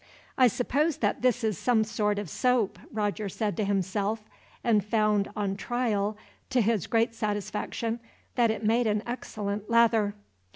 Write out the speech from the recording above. "I suppose that this is some sort of soap," Roger said to himself, and found on trial, to his great satisfaction, that it made an excellent lather.